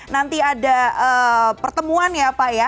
nanti ada pertemuan ya pak ya